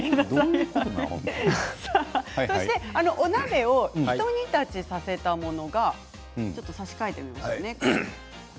そしてお鍋をひと煮立ちさせたものと差し替えますね。